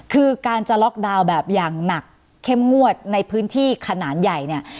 คือการจะล็อกดาวน์แบบอย่างหนักเข้มงวดในพื้นที่ขนาดใหญ่เนี่ย